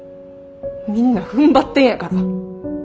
みんなふんばってるんやから。